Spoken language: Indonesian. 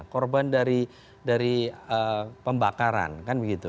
korban dari pembakaran kan begitu